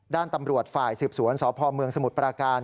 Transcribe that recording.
ด้านตำรวจฝ่ายสืบสวนสพเมืองสมุทรปราการ